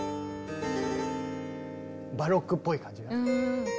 バロックっぽい感じが。